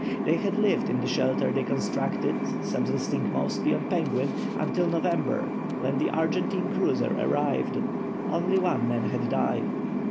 They had lived in the shelter they constructed, subsisting mostly on penguin, until November, when the Argentine cruiser arrived. Only one man had died.